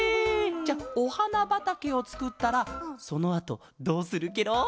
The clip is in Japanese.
じゃあおはなばたけをつくったらそのあとどうするケロ？